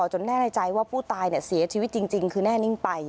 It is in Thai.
จนแน่ใจว่าผู้ตายเสียชีวิตจริง